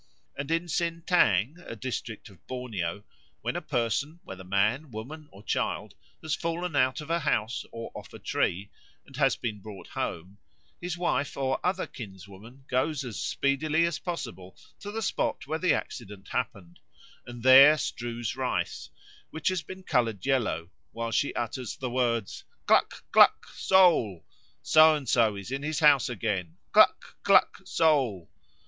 And in Sintang, a district of Borneo, when a person, whether man, woman, or child, has fallen out of a house or off a tree, and has been brought home, his wife or other kinswoman goes as speedily as possible to the spot where the accident happened, and there strews rice, which has been coloured yellow, while she utters the words, "Cluck! cluck! soul! So and so is in his house again. Cluck! cluck! soul!"